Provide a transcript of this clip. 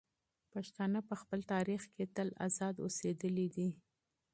پښتانه په خپل تاریخ کې تل ازاد اوسېدلي دي.